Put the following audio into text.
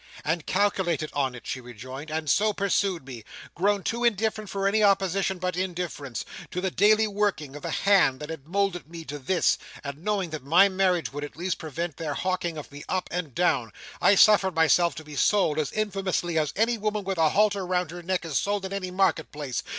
"And calculated on it," she rejoined, "and so pursued me. Grown too indifferent for any opposition but indifference, to the daily working of the hands that had moulded me to this; and knowing that my marriage would at least prevent their hawking of me up and down; I suffered myself to be sold, as infamously as any woman with a halter round her neck is sold in any market place.